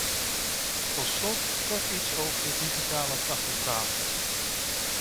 Tot slot kort iets over de digitale tachograaf.